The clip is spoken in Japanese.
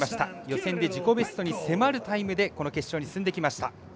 予選で自己ベストに迫るタイムでこの決勝に進んできました。